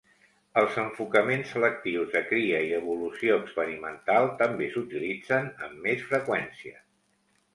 Els enfocaments selectius de cria i evolució experimental també s'utilitzen amb més freqüència.